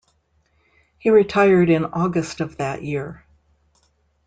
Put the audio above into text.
He retired in August of that year.